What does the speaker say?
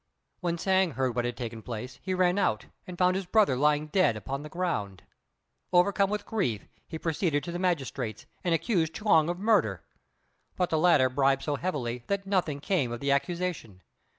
When Hsiang heard what had taken place he ran out and found his brother lying dead upon the ground. Overcome with grief, he proceeded to the magistrate's, and accused Chuang of murder; but the latter bribed so heavily that nothing came of the accusation.